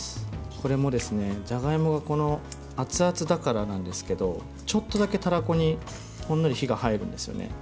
これもじゃがいもが熱々だからなんですけどちょっとだけ、たらこにほんのり火が入るんですよね。